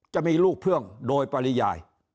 จะมีลูกพ่วงโดยปริยาย